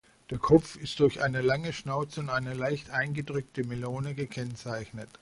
Der Kopf ist durch eine lange Schnauze und eine leicht eingedrückte Melone gekennzeichnet.